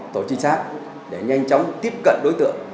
tôi trình sát để nhanh chóng tiếp cận đối tượng